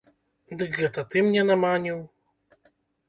Дык гэта ты мне наманіў?